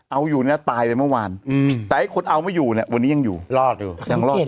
เอาอยู่เนี่ยตายไปเมื่อวานอืมแต่ไอ้คนเอาไม่อยู่เนี่ยวันนี้ยังอยู่รอดอยู่ยังรอดอยู่